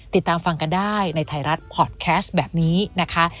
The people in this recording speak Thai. ติดตามฟังกันได้ในไทยรัฐพอร์ตแคสต์แบบนี้นะคะ